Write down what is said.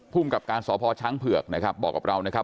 ภูมิกับการสพช้างเผือกนะครับบอกกับเรานะครับ